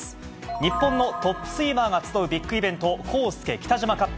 日本のトップスイマーが集うビッグイベント、コースケ・キタジマカップ。